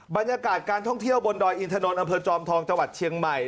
บรรยากาศการท่องเที่ยวบนดอยอินทนนทอำเภอจอมทองจังหวัดเชียงใหม่